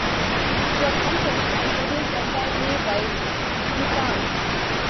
It was composed and produced entirely by Ihsahn.